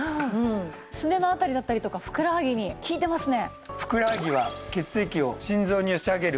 すねの辺りだったりとかふくらはぎに効いてますね。